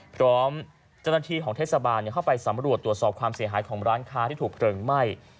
พร้อมเจ้าหน้าที่ของเทศบาลเข้าไปสำรวจตรวจสอบความเสียหายของร้านค้าที่ถูกเพลิงไหม้